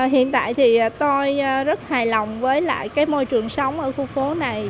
hiện tại thì tôi rất hài lòng với lại cái môi trường sống ở khu phố này